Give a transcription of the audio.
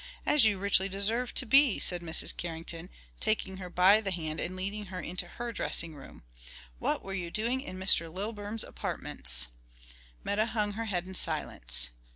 "As you richly deserve to be," said Mrs. Carrington, taking her by the hand and leading her into her dressing room. "What were you doing in Mr. Lilburn's apartments?" Meta hung her head in silence.